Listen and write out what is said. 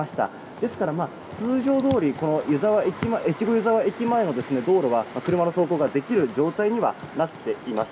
ですから通常どおり越後湯沢駅前の道路は車の走行ができる状態にはなっています。